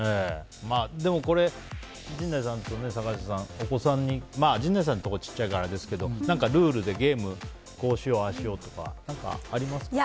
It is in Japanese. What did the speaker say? でも、陣内さんと坂下さん陣内さんのとこは小さいからあれですけどルールでゲームはこうしよう、ああしようとか何かありますか？